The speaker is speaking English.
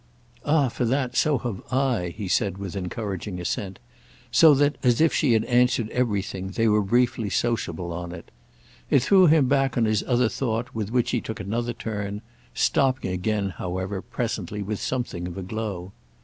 "Ah for that, so have I," he said with encouraging assent; so that—as if she had answered everything—they were briefly sociable on it. It threw him back on his other thought, with which he took another turn; stopping again, however, presently with something of a glow.